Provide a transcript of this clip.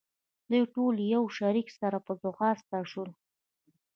دوی ټول د یوه شړک سره په ځغاسته شول.